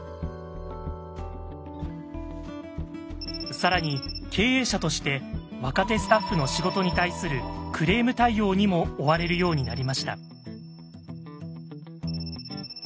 更に経営者として若手スタッフの仕事に対するクレーム対応にも追われるようになりました。